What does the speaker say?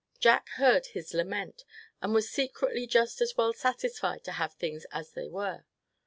Jack heard his lament, and was secretly just as well satisfied to have things as they were.